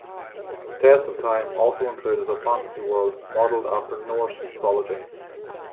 Test of Time also included a fantasy world modelled after Norse mythology.